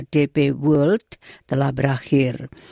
dp world telah berakhir